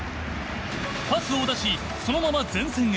パスを出しそのまま前線へ。